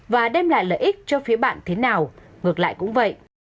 và đem lại lợi ích cho phía bạn thế nào ngược lại cũng vậy